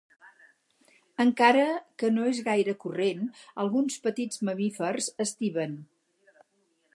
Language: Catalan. Encara que no és gaire corrent, alguns petits mamífers estiven.